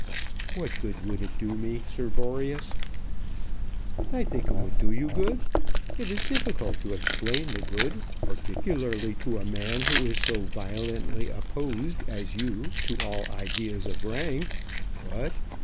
"What good would it do me, Sir Boreas?" "I think it would do you good. It is difficult to explain the good, particularly to a man who is so violently opposed as you to all ideas of rank. But